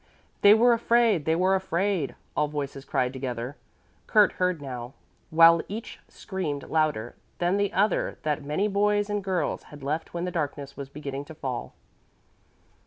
"They were afraid, they were afraid," all voices cried together. Kurt heard now, while each screamed louder than the other that many boys and girls had left when the darkness was beginning to fall.